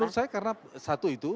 menurut saya karena satu itu